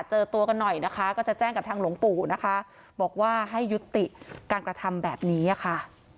เจอตัวกันหน่อยนะคะก็จะแจ้งกับทางหลวงปู่นะคะบอกว่าให้ยุติการกระทำแบบนี้ค่ะ